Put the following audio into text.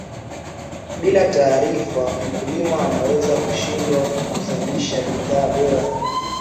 bila taarifa mkulima anaweza kushindwa kuzalisha bidhaa bora